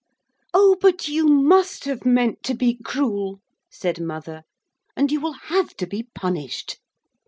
'Oh, but you must have meant to be cruel,' said mother, 'and you will have to be punished.'